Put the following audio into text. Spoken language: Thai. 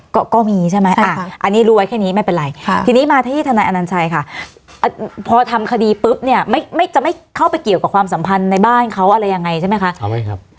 ก็มีใช่ไหมอันนี้รู้ไว้แค่นี้ไม่เป็นไรทีนี้มาที่ทนายอนัญชัยค่ะพอทำคดีปุ๊บเนี่ยจะไม่เข้าไปเกี่ยวกับความสัมพันธ์ในบ้านเขาอะไรยังไงใช่ไหมคะ